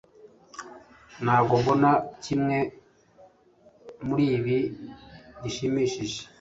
ntabwo mbona kimwe muribi gishimishije